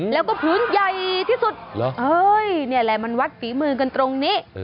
แล้วก็ผืนใหญ่ที่สุดแล้วมันวัดตีมือกันตรงนี้